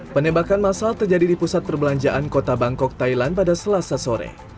penembakan masal terjadi di pusat perbelanjaan kota bangkok thailand pada selasa sore